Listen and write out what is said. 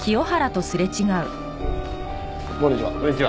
こんにちは。